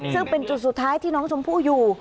ซึ่งเป็นจุดสุดท้ายที่น้องชมพู่อยู่